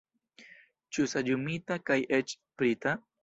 Ĉu saĝumita kaj eĉ sprita?